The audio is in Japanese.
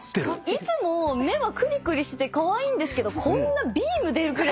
いつも目はくりくりしててカワイイんですけどこんなビーム出るくらい。